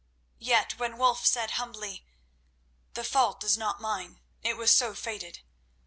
Yet when Wulf said humbly: "The fault is not mine; it was so fated.